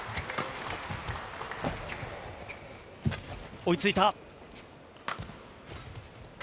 追いついた。